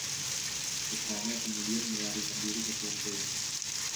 Putranya kemudian melarikan diri ke Pompei.